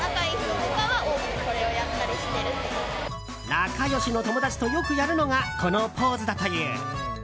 仲良しの友達とよくやるのがこのポーズだという。